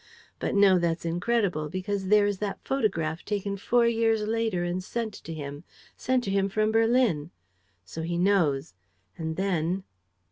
But no, that's incredible, because there is that photograph, taken four years later and sent to him: sent to him from Berlin! So he knows; and then